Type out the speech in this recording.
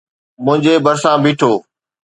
منهنجي ڀرسان بيٺو.